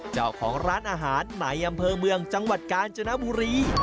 เจ้าของร้านอาหารในอำเภอเมืองจังหวัดกาญจนบุรี